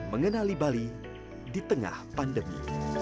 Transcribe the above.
mengenali bali di tengah pandemi